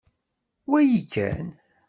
Wali kan.